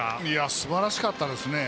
すばらしかったですね。